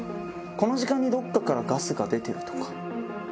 この時間にどっかからガスが出てるとか。